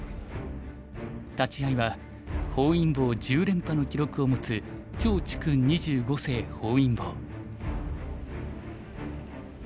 立会いは本因坊１０連覇の記録を持つ趙治勲二十五世本因坊。